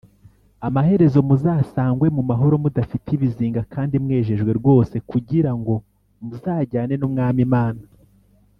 amaherezo muzasangwe mu mahoro mudafite ibizinga kandi mwejejwe rwose kugirango muzajyane n’umwami Mana.